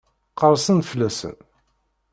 Qerrsen-d fell-asen?